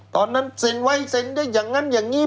เซ็นไว้เซ็นได้อย่างนั้นอย่างนี้